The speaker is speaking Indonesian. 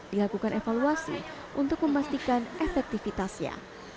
dilakukan evaluasi untuk memastikan efektivitasnya